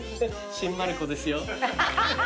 新丸子ですよ。